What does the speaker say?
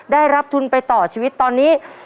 ได้รับทุนไปต่อชีวิตตอนนี้